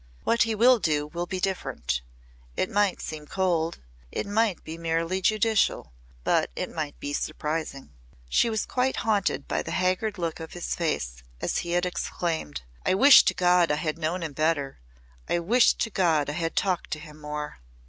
"What he will do will be different. It might seem cold; it might be merely judicial but it might be surprising." She was quite haunted by the haggard look of his face as he had exclaimed: "I wish to God I had known him better! I wish to God I had talked to him more!"